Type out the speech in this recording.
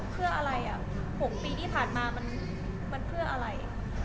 เพื่ออะไร๖ปีที่ผ่านมามันเพื่ออะไร